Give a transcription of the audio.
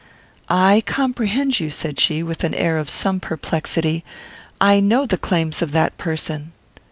"I comprehend you," said she, with an air of some perplexity. "I know the claims of that person."